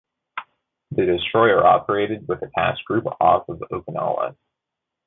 The destroyer operated with a task group off Okinawa.